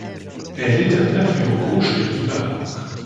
Elle est un affluent gauche de l'Ibar.